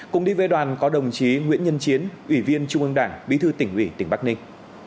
cùng đi với đoàn có đồng chí nguyễn nhân chiến ủy viên trung ương đảng bí thư tỉnh ủy tỉnh bắc ninh